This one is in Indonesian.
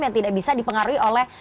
yang tidak bisa dipengaruhi oleh